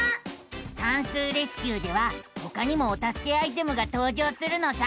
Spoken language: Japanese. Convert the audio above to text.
「さんすうレスキュー！」ではほかにもおたすけアイテムがとう場するのさ。